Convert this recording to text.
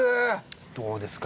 どうですか？